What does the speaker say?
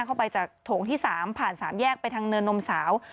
เข้าไปจากโถงที่๓ผ่าน๓แยกไปทางเนินนมสาว